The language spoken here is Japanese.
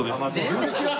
全然違う。